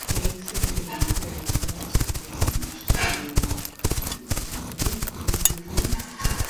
Clerk as Lewis wished to avoid identification as the author.